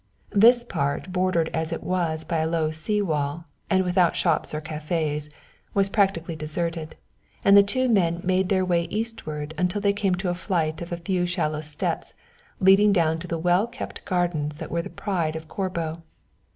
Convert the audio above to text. This part, bordered as it was by a low sea wall, and without shops or cafés, was practically deserted, and the two men made their way eastward until they came to a flight of a few shallow steps leading down to the well kept gardens that were the pride of Corbo.